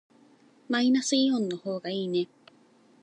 マイナスイオンの方がいいね。